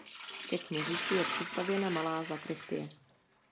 Ke kněžišti je přistavěna malá sakristie.